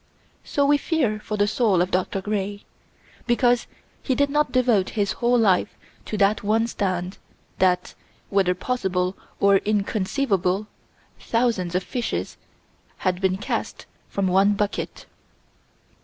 So we fear for the soul of Dr. Gray, because he did not devote his whole life to that one stand that, whether possible or inconceivable, thousands of fishes had been cast from one bucket.